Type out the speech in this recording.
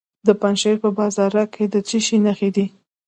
د پنجشیر په بازارک کې د څه شي نښې دي؟